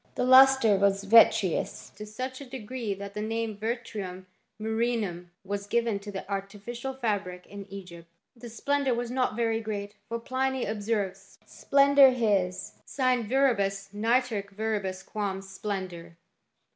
The lustre was vitreous to such a degree that the name vitrum miiTrhinum was given to the artificial fabric, in Egypt. The splendour was not very great, for Pliny ob serves, " Splendor his sine viribus nitorque verius quam splendor."